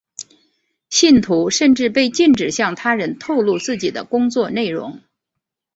信徒甚至被禁止向他人透露自己的工作内容。